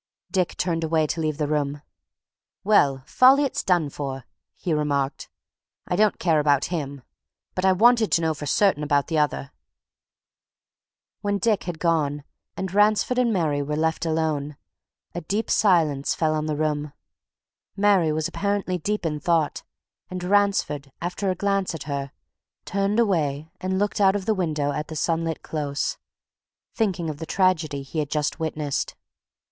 Dick turned away to leave the room. "Well, Folliot's done for!" he remarked. "I don't care about him, but I wanted to know for certain about the other." When Dick had gone, and Ransford and Mary were left alone, a deep silence fell on the room. Mary was apparently deep in thought, and Ransford, after a glance at her, turned away and looked out of the window at the sunlit Close, thinking of the tragedy he had just witnessed.